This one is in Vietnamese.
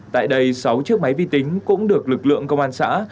tại đây sáu chiếc máy vi tính cũng được lực lượng công an xã